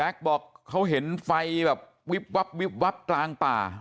แม็กซ์บอกเขาเห็นไฟแบบวิบวับตลางป่า